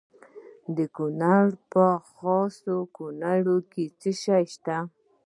د کونړ په خاص کونړ کې څه شی شته؟